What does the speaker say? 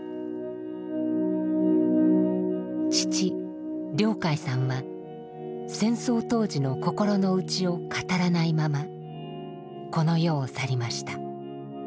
父亮誡さんは戦争当時の心の内を語らないままこの世を去りました。